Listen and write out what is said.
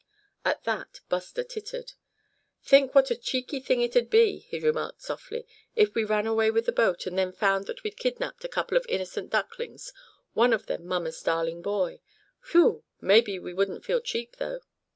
At that Buster tittered. "Think what a cheeky thing it'd be," he remarked, softly, "if we ran away with the boat, and then found that we'd kidnapped a couple of innocent ducklings, one of them mamma's darling boy! Whew! mebbe we wouldn't feel cheap though!"